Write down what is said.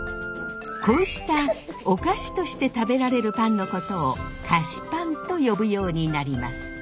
こうしたお菓子として食べられるパンのことを菓子パンと呼ぶようになります。